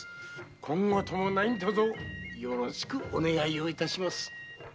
今後ともよろしくお願い致します。